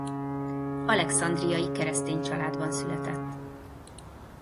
Alexandriai keresztény családban született.